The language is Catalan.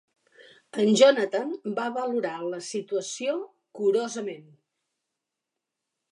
En Johnathan va valorar la situació curosament.